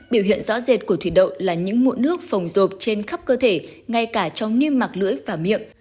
biểu hiện rõ rệt của thủy đậu là những mụn nước phồng rộp trên khắp cơ thể ngay cả trong niêm mạc lưỡi và miệng